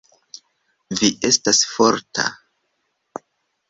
Vi estas forta.